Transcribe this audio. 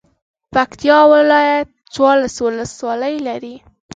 پکتیا ولایت څوارلس ولسوالۍ لري.